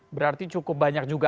berarti cukup banyak juga